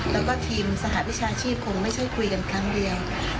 แล้วก็ทีมสหวิชาชีพคงไม่ใช่คุยกันครั้งเดียว